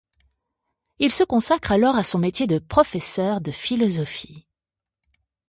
Il se consacre alors à son métier de professeur de philosophie.